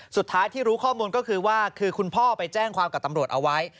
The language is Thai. สุดท้ายที่รู้ข้อมูลก็คือว่าคือคุณพ่อไปแจ้งความกับตำรวจเอาไว้